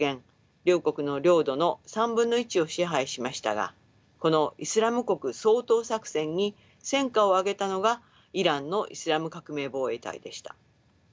両国の領土の３分の１を支配しましたがこのイスラム国掃討作戦に戦果をあげたのがイランのイスラム革命防衛隊でした。